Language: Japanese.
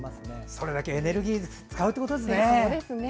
それだけエネルギーを使うってことですね。